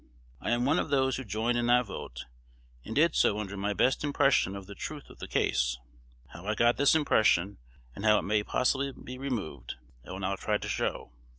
I am one of those who joined in that vote, and did so under my best impression of the truth of the case. How I got this impression, and how it may possibly be removed, I will now try to show.